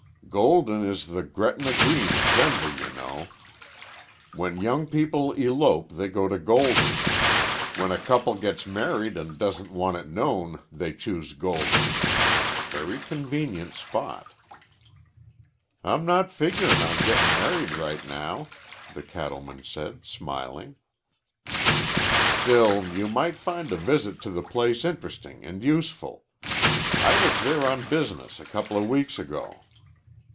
"Golden is the Gretna Green of Denver, you know. When young people elope they go to Golden. When a couple gets married and doesn't want it known they choose Golden. Very convenient spot." "I'm not figuring on gettin' married right now," the cattleman said, smiling. "Still you might find a visit to the place interesting and useful. I was there on business a couple of weeks ago."